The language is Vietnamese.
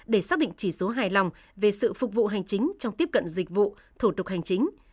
để xác định chỉ số hài lòng về sự phục vụ hành chính trong tiếp cận dịch vụ thủ tục hành chính